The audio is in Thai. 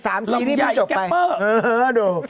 แล้วพี่แยะไอ้แก๊ปเปอร์